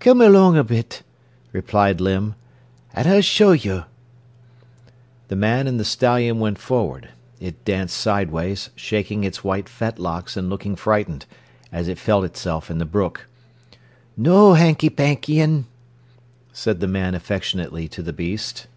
"Come along a bit," replied Limb, "an' I'll show you." The man and the stallion went forward. It danced sideways, shaking its white fetlocks and looking frightened, as it felt itself in the brook. "No hanky pankyin'," said the man affectionately to the beast.